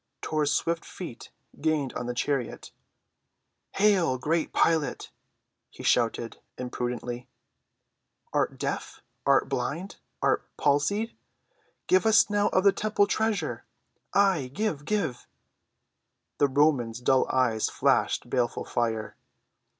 Tor's swift feet gained on the chariot. "Hail, great Pilate!" he shouted impudently, "art deaf? art blind? art palsied? Give us now of the temple treasure! Ay—give! give!" The Roman's dull eyes flashed baleful fire.